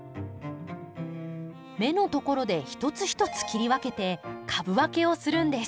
芽のところで一つ一つ切り分けて株分けをするんです。